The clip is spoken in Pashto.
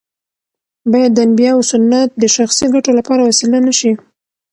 باید د انبیاوو سنت د شخصي ګټو لپاره وسیله نه شي.